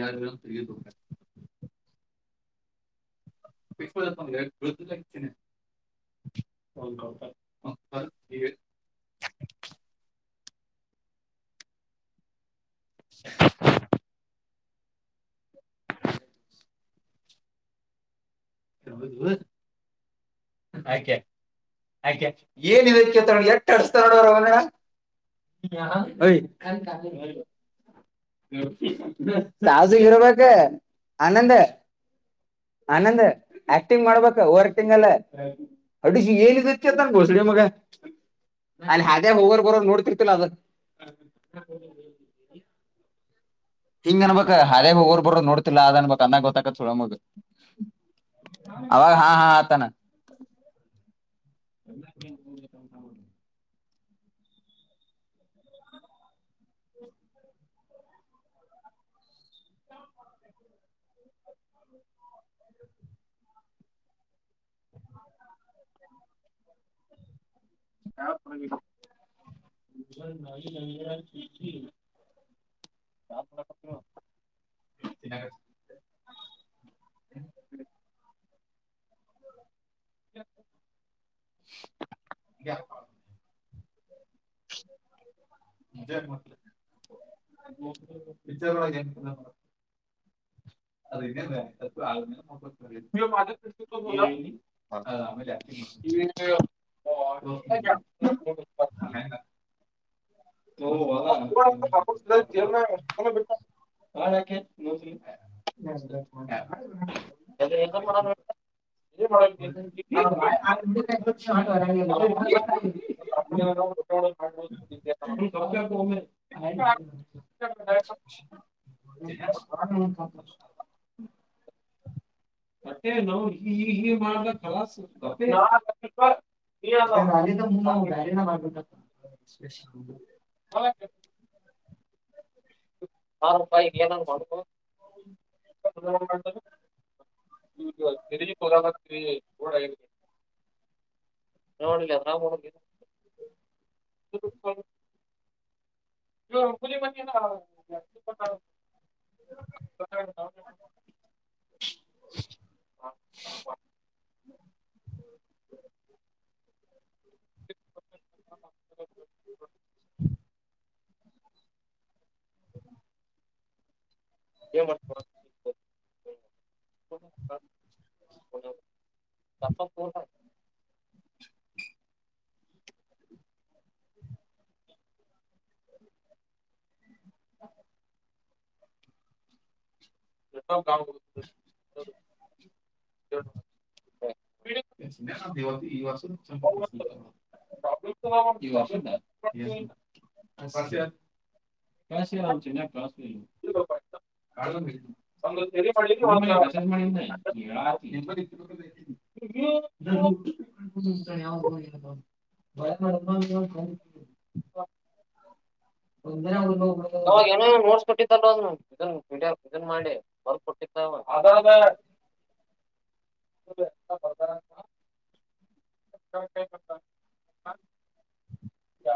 ಯಾರ ತ [unintelligible] [inaudible] ಹಲ್ [unintelligible] [inaudible] [inaudible] ಆಯ್ಕೆ [unintelligible] ಆಯ್ೆ ಏನ್ ಇದಕ್ಕೆ ನೋ ಎಟ್ಟ ಅರ್ಸ್ತ ನೋಡ್ರ ಅವಂದಡ ಕ ಕ ಸಾಸು ಇರ್ಬೇಕ ಆನಂದ ಆನಂದ್ ಆಕ್ಟಿಂಗ್ ಮಾಡ್ಬೇಕ ಓವರ್ ಆಕ್ಟಿಂಗ್ ಅಲ್ಲ ಅಡಿಶ ಎಲ್ಲಿ ಚಂತನ್ ಗೋಸಡಿ ಮಗ [unintelligible] ಅಲ್ಲಿ ಹಾಗೆ ಹೋಗೋರ್ ಬರರ್ ನೋಡ್ತಿರ್ತಿಲ್ಲ ಅದ ಹಿಂಗ ಅನ್ಬೇಕಕ್ ಹಾದ್ಯಾಗ ಬರೋರು ನೋಡ್ಬೇಕು ನೋಡ್ತಾ ಇಲ್ಲ ಹಂಗಂದ್ರೆ ಗೊತ್ತಾಗುತ್ತೆ ಸೂಳೆಮಕ್ಕ ಮಗ ನೋಡ್ತಿ ಅವಾಗ ಹಾ ಹಾತಾನ ಹ ನ [unintelligible] ನ [unintelligible] [inaudible] ಹಾ [unintelligible] ಯ [unintelligible] ಮಜೆ ಮಜನ್ [unintelligible] ಅದ ಆ [unintelligible] ನೀ ಮಾ ಪ್ರ ಬೋಲ [unintelligible] [inaudible] ಸ ಜ [unintelligible] ಹಾಳ ನಸಲಿ [unintelligible] - [inaudible] [inaudible] ಹೌ [unintelligible] ಹ ಸತ [unintelligible] ಸತ [unintelligible] ಮತ್ತೇ ನಾ ಈ ಹೀ ಮಾಡಲ ಕಲಸ ಗಪೆ ಎಕ ಆಲ್ಲಿ ಮು ಬರೆನ ಮಾಡಾರಟ [unintelligible] ಸಷ ಹಾ ಹಾಪ್ಪಾ ಇಲ್ಲಿ ಏನಾದ್ ಮಾಡ್ಬೇಕ [unintelligible] ತಿದ ತಿಡ ನೋಡ್ಿಲ್ಲ ನಾವ್ ನೋಡಿಲ್ಲ ಸರಿ [unintelligible] ನೀ ಬಲಿ ಮಲ್ಲ [unintelligible] ಹ [unintelligible] [unintelligible] ಏ ಮಾಡರ್ತ ನಿಮ್ ಅಪ್ಪಗ ಫೋನ್ ಮಾಡ್ ಹ ಎ ಗಾ ಈವರ್ಸ ಸ್ವಲ್ ಈ ವರ್ಷದ ಕಾಸ ಆಚ ಕಾಸ ಸರಿ ಮಾಡ್ಲಿಕ್ಕೆ ಚುಡಿ ಒಂದು ಮಾಡಿ ಮಸೇಜ ಮಾಡ ಇಡ್ಲೋ ಯಾವ ಹೋಗಯ ಬಾ ಅವಾಗ ಏನ ನೋಡ್ಸ್ಕೊಟ್ಟಿದ್ದಲ್ ಅ ಇದನ್ ಮೀಡಿಯಾ ಇದನ್ ಮಾಡಿ ಬರ್ಕ್ ಕೊಟ್ಟಿದ್ದ ಎ ಬರ್ತರ ನಮ್ ಕೈ ಕೊಡ್ತಾನೆ ಯ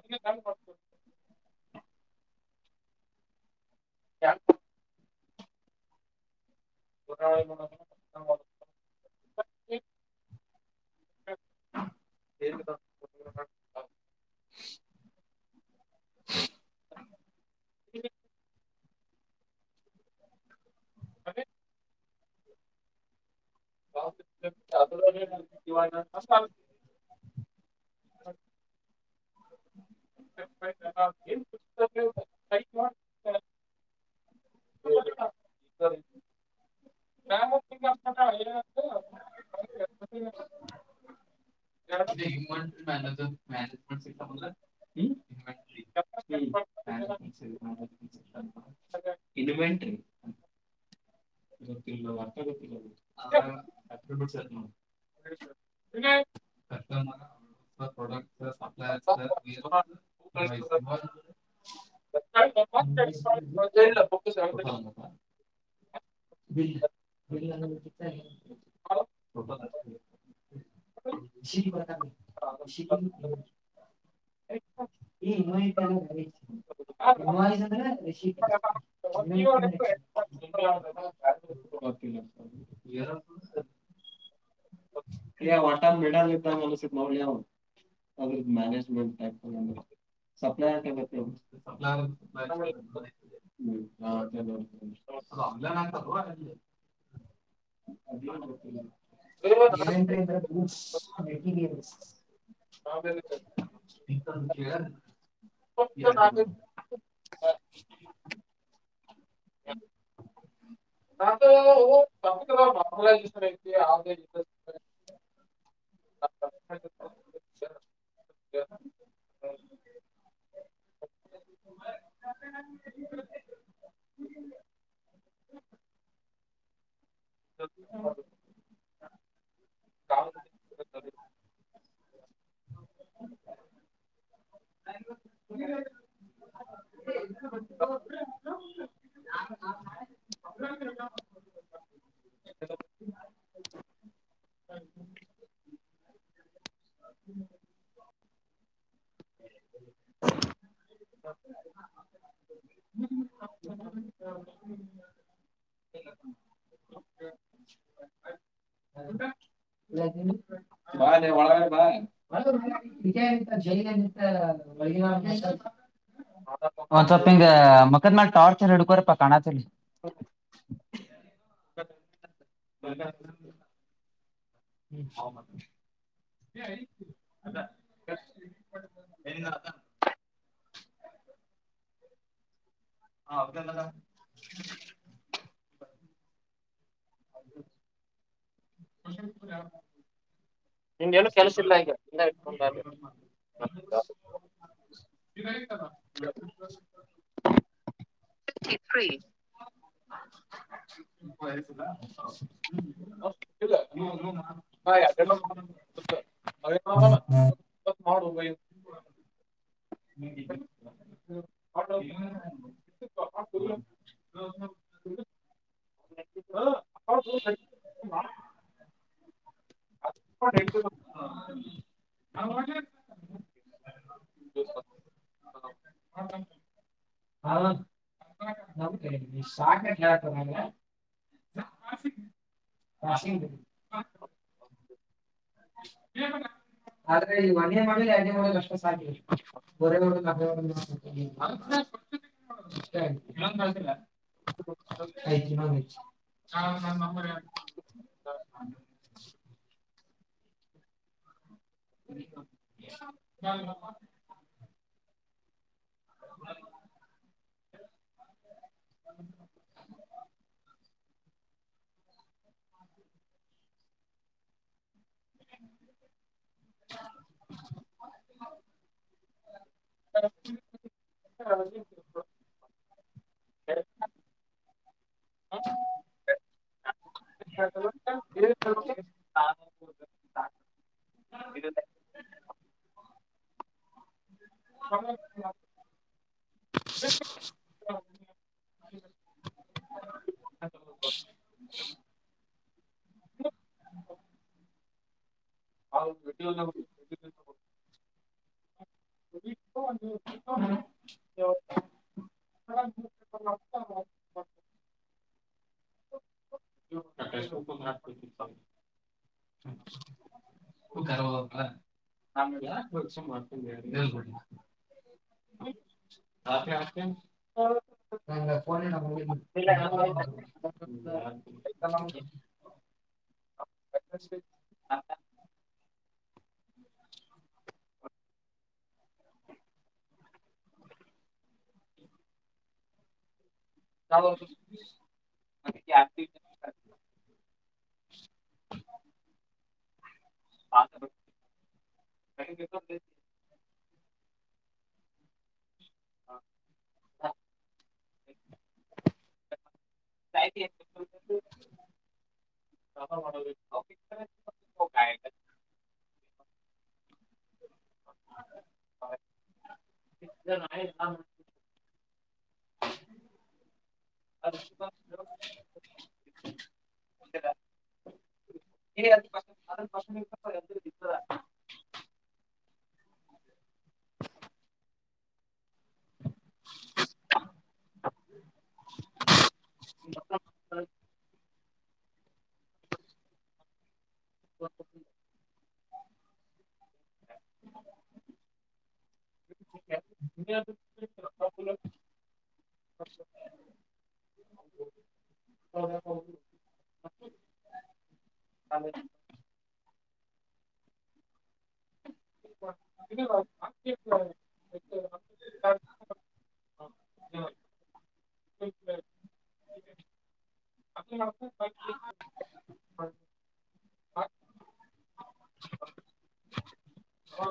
ಕ [unintelligible] ಯಾಕ್ ಪುಣ್ಯ ಮಾಡಿ ನೋಡ್ ಬೇಗ ಬಾ [unintelligible] ಟಿವಿ [unintelligible] ಅದೇ [unintelligible] ಹ [unintelligible] ಅತ [unintelligible] ಮ್ಯಾನೇಜ್ ಸೀಟ್ ತಗೊಂದ್ರೆ ಹೂ ಹೂ ಇದುವೆಂಟ್ರಿ ಗೊತ್ತಿಲ್ಲ ಗರ್ತ ಗೊತ್ತಿಲ್ಲ ಗ್ರ ಬಿ ನೋ ಉದಯ [unintelligible] ಕಸ್ಮ ಪ್ರಡಕ್ಟ್ ಸಪ್ಲರ್ [unintelligible] ಹ ಆಯ್ಾಯಾ ಹ [unintelligible] ಬಿಲ್ ಸೀತಾ [unintelligible] ಅಾ [unintelligible] ಈ ಇನ್ನು ಅಸ್ ಅಂದ್ರೆ ರಶಿಕ ಗಿಡ ಇಟ್ಟಿದಾರೆ ಕ ನಾರ್ಮಲೈಸೇಷನ್ [unintelligible] ವಟಾನ ಮಿಡಲ್ ಅನ್ಸಿತ್ತು ನೋಡು ಲೇ [unintelligible] ಅದ್ರದ ಮ್ಯಾನೇಜ್ಮೆಂಟ್ಟ ಸಪ್ಲೈರ್ತ್ತ ಅದು ಅಮ್ಞಾನ ಅಂತ ಅಲ್ಲಿ ದೇವೇಂದ್ರಂದರ ಬೂಟ ಏನಂತ ಅಂದ್ರೆ ಬಸ್ ಆ ವ್ಯಕ್ತಿಗೆ ಇರೋದು ಹಾ ಬ [unintelligible] ಮು ಯಾರ ಯ ಯಾರ ಹ್ಮ ಮಲನ್ ಐ [unintelligible] ಹ್ಮ [unintelligible] [unintelligible] [unintelligible] ಹ್ಮ್ [unintelligible] ಹೌದು ಹಲೋ [unintelligible] [unintelligible] ಹ ಲ [unintelligible] ಬಾ ಒಳಗ ಬಾ ಇದಂತ ಜೈಂತ ಒ ಸ್ಲ್ಪ [unintelligible] ಒಂದ್ ಸ್ವಲ್ಪ ಹಿಂಗ ಮಕದ್ ಮಾಡ ಟಾರ್ಚರ್ ಹಿಡ್ಕೋರಪ್ಪಾ ಕಣಚಲ್ಲಿ ಹಓಞ [unintelligible] ಮ [unintelligible] ಹ್ಮ್ ಹೌ ಮ ಹ [unintelligible] ಹೆರಿಗೆ ಆಯ್ತಾ ಹ ಹದಲ್ಲದ ಹೌ ಮಸಪುರ ನಿಂದೇನು ಕೆಲಸ ಸೂಪರ್ ಇಲ್ಲ ಅದ ಈಗ ಇಲ್ಲ ಇಟ್ಕೊಂಡಾಗ ನಮಗೂ ಲೇತ್ತಗಾ ೀ [unintelligible] ಬಯಸದ ಹ ಇಲ ಹ ಅ ಹಾಯ್ ಬ್ರೋ ಹೌದಲ್ಲ ಇತ್ ಮಾಡದು ಹ್ಮ ಮಾಡು. ಹಾ, ಹ [unintelligible] [unintelligible] ಅ ಹೆ ಹ ಹೂ ಅಪ್ಪ ಹಾ ಸಾಕಾಯ್ತೆಪ್ಪ ನನಗೆ ವಾಷಿಂಗ್ ಆದ್ರೆ ಈ ಮನೆೇ ಮಾಡಲಿ ಅನೆೇ ಮಾಡಲಿ ಅಷ್ಟ ಸಾಧ್ಯ ಒರ ಹ ಹ [unintelligible] ಆನ ನಂಬರ್ ಹೇಳು ಹಾ ಹ [unintelligible] [unintelligible] [unintelligible] [unintelligible] ಹರಿ ಹ [unintelligible] ಹಾ ಇದು ಹ [unintelligible] ಹಾ ಹ [unintelligible] ಹ್ಮ [unintelligible] ಹೌ ಹ್ಮ್ [unintelligible] ಟೆಸ್ಟ್ ಬುಕ್ಕು ಓದ್ಕೊಂತೀನಿ ಇಲ್ಲ ಹ ಕಬ ಯ [unintelligible] ಕ್ಷ ಮಾಡ್ಕೊಂಡ ಬೇರೆದ್ ಕೊಡ್ಲಾ ಹೌ ಹತ್ತ ಆತ ಹ ಫೋನ್ ಇಡು ಮತ್ತೆ ನಮ್ಗೆ ಹ [unintelligible] ಚಾಲದು ಮ ಆತ [unintelligible] ಹ [unintelligible] ಹಾ ಹ [unintelligible] ಪಾಪ ಮಾಡೋರಿಗೆ ಕಾಫಿ ಹಾಯ್ ಅಂಕಲ್ ಹ [unintelligible] ಎ ಆ [unintelligible] ಅ ಬ [unintelligible] ಅ ಪ ಅದ ಪ [unintelligible] ಅದು ಪಸ್ಟು ಹ [unintelligible] ಹ [unintelligible] [unintelligible] ಹೌದ್ ಯಾಕೋ ಹೌದು [unintelligible] ಹ [unintelligible] ಹೇ [unintelligible] [unintelligible] ಹ [inaudible] ಅ ನ [unintelligible] ಹಾ ಹವಾ